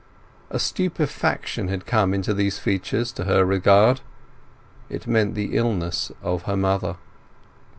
A stupefaction had come into these features, to her regard; it meant the illness of her mother.